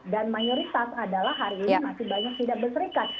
dan mayoritas adalah hari ini masih banyak tidak berserikat